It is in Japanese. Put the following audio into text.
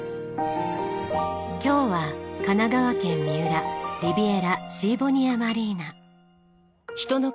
今日は神奈川県三浦リビエラシーボニアマリーナ。